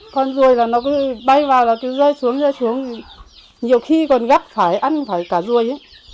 còn rùi là nó bay vào rồi rơi xuống nhiều khi còn gắt phải ăn phải cả rùi